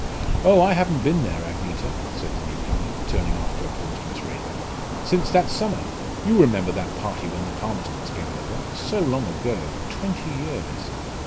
"Oh, I haven't been there, Agneta," said the new comer, turning after a pause to Miss Raeburn, "since that summer you remember that party when the Palmerstons came over so long ago twenty years!"